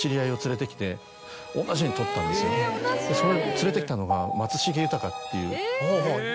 連れてきたのが松重豊っていう。